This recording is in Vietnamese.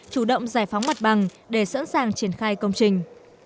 chủ động giải phóng mặt bằng để sẵn sàng triển khai công trình